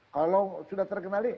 kalau sudah terkendali